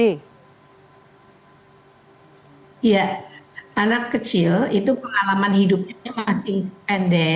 iya anak kecil itu pengalaman hidupnya masih pendek